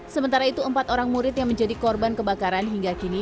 sementara itu empat orang murid yang menjadi korban kebakaran hingga kini